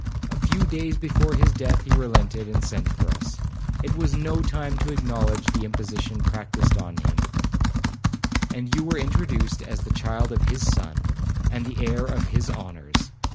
A few days before his death he relented, and sent for us; it was no time to acknowledge the imposition practised on him, and you were introduced as the child of his son, and the heir of his honours.